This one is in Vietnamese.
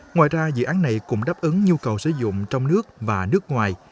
ngoài ra dự án này cũng đáp ứng nhu cầu sử dụng trong nước và nước ngoài